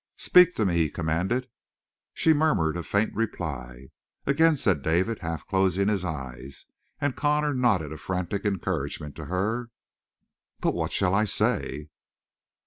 "Speak to me," he commanded. She murmured a faint reply. "Again," said David, half closing his eyes. And Connor nodded a frantic encouragement to her. "But what shall I say?"